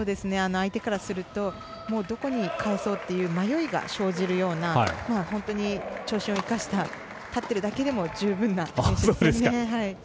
相手からするとどこに返そうという迷いが生じるような本当に長身を生かした立ってるだけでも十分な選手です。